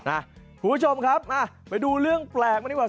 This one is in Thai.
คุณผู้ชมครับมาไปดูเรื่องแปลกวันนี้ก่อน